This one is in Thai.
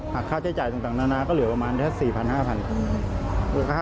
หากค่าใช้จ่ายต่างนานาก็เหลือประมาณ๔๐๐๐๕๐๐๐บาท